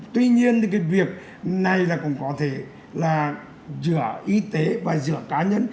tuy nhiên thì cái việc này là cũng có thể là giữa y tế và giữa cá nhân